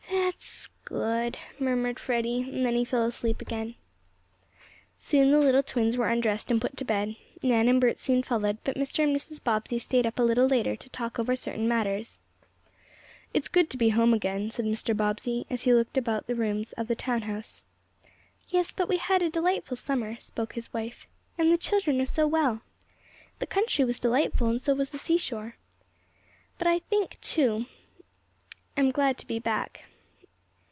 "That's good," murmured Freddie, and then he fell asleep again. Soon the little twins were undressed and put to bed; Nan and Bert soon followed, but Mr. and Mrs. Bobbsey stayed up a little later to talk over certain matters. "It's good to be home again," said Mr. Bobbsey, as he looked about the rooms of the town house. "Yes, but we had a delightful summer," spoke his wife, "and the children are so well. The country was delightful, and so was the seashore. But I think I, too, am glad to be back.